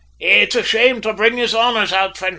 `It's a shame to bring yez honours out for nothin'!'